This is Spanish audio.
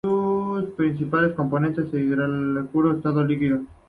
Sus principales componente son los hidrocarburos en estado líquido.